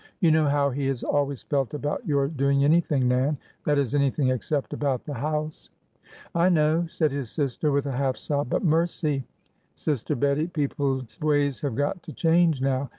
You know how he has al ways felt about your doing anything. Nan, — that is, any thing except about the house." " I know," said his sister, with a half sob ;" but mercy ! sister Bettie, people's ways have got to change now!